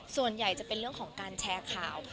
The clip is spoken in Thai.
ส่วนใหญ่จะเป็นเรื่องของการแชร์ข่าว